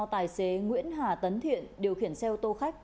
tài xế nguyễn hà tấn thiện điều khiển xe ô tô khách